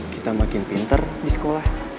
kita makin pinter di sekolah